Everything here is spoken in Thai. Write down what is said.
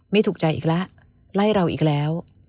ไม่ถูกใจอีกแล้วไล่เราอีกแล้ว